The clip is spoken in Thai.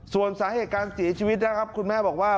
ส่วนสาเหตุการเสียชีวิตนะครับคุณแม่บอกว่า